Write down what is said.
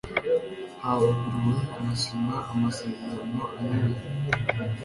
havuguruwe hanasinywa amasezerano anyuranye